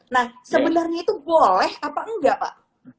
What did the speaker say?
nah sebenarnya itu boleh apa enggak pak